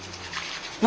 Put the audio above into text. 何？